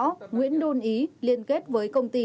nguyễn đôn ý liên kết với công ty